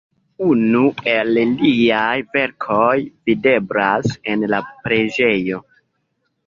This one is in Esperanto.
Unu el liaj verkoj videblas en la preĝejo.